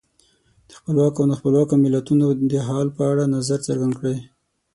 د خپلواکو او نا خپلواکو ملتونو د حال په اړه نظر څرګند کړئ.